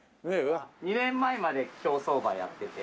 ２年前まで競走馬やってて。